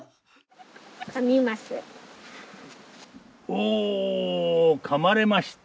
お噛まれました。